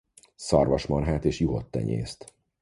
Szarvasmarhát és juhot tenyészt.